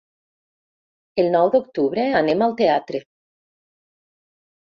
El nou d'octubre anem al teatre.